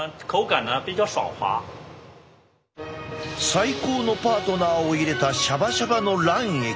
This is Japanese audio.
最高のパートナーを入れたシャバシャバの卵液。